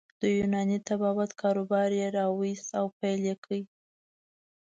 د یوناني طبابت کاروبار يې راویست او پیل یې کړ.